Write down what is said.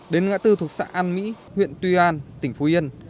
đến ngã tư thuộc xã an mỹ huyện tuy an tỉnh phú yên